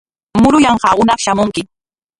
Muruyanqaa hunaq shamunki.